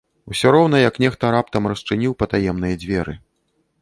Усё роўна як нехта раптам расчыніў патаемныя дзверы.